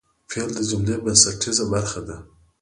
فعل د جملې بنسټیزه برخه ده.